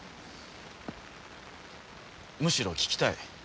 むしろ聞きたい。